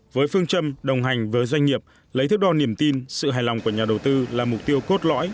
với phương châm đồng hành với doanh nghiệp lấy thước đo niềm tin sự hài lòng của nhà đầu tư là mục tiêu cốt lõi